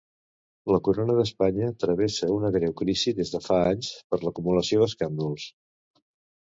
La corona d'Espanya travessa una greu crisi des de fa anys per l'acumulació d'escàndols.